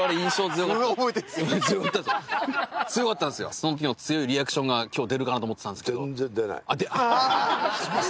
そのときの強いリアクションが今日出るかなと思ってたんですけど。